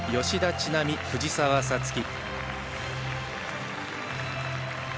吉田知那美、藤澤五月。